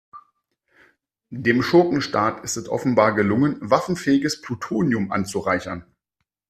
Dem Schurkenstaat ist es offenbar gelungen, waffenfähiges Plutonium anzureichern.